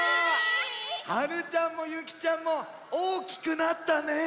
はるちゃんもゆきちゃんもおおきくなったね！